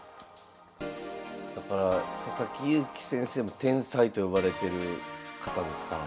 佐々木勇気先生も天才と呼ばれてる方ですからね。